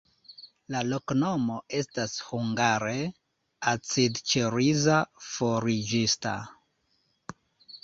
La loknomo estas hungare: acidĉeriza-forĝista.